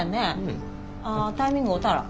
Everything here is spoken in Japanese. ああタイミング合うたら。